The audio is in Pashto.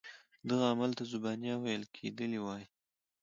دغه عمل ته ذوبان یا ویلي کیدل وایي.